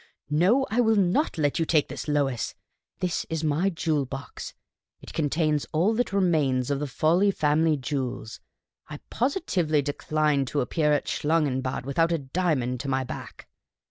No, I will not let you take this, Lois ; this is my jewel box — it contains all that remains of the Fawley family jewels. I positively decline to appear at Schlangenbad without a dia mond to my back.